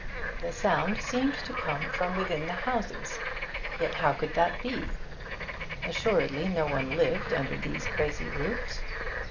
The sound seemed to come from within the houses, yet how could that be? Assuredly no one lived under these crazy roofs.